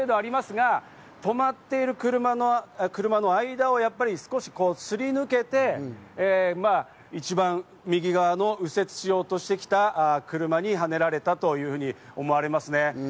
可能性ではありますが止まってる車が間を少しすり抜けて、一番右側の、右折しようとしてきた車にはねられたというふうに思われますね。